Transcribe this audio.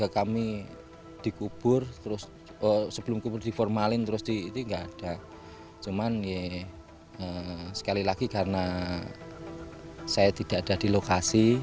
kami dua puluh padu kuhar ya